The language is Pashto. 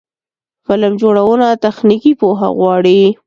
فلم جوړونه تخنیکي پوهه غواړي.